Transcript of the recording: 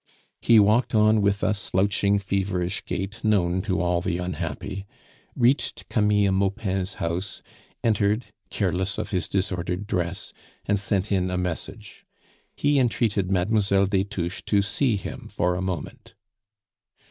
He walked on with a slouching, feverish gait known to all the unhappy, reached Camille Maupin's house, entered, careless of his disordered dress, and sent in a message. He entreated Mlle. des Touches to see him for a moment.